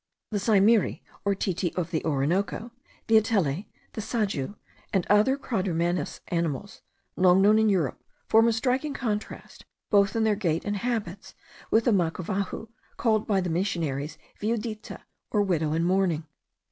The saimiri, or titi of the Orinoco, the atele, the sajou, and other quadrumanous animals long known in Europe, form a striking contrast, both in their gait and habits, with the macavahu, called by the missionaries viudita, or widow in mourning.